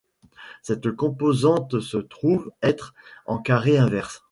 Cette composante se trouve être en carré inverse.